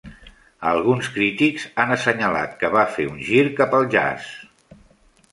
Alguns crítics han assenyalat que va fer un gir cap al jazz.